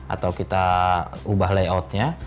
atau kita ubah layoutnya